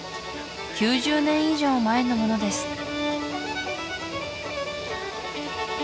９０年以上前のものです